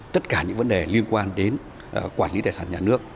tất cả những vấn đề liên quan đến quản lý tài sản nhà nước